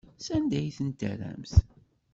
Sanda ay t-terramt?